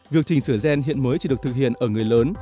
việc chỉnh sửa gen hiện mới chỉ được thực hiện ở người lớn